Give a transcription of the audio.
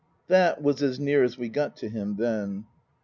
That was as near as we got to him then.